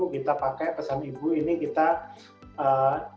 kita pakai pesan ibu ini kita menjaga independensi